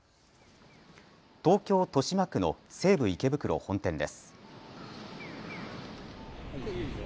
東京豊島区の西武池袋本店です。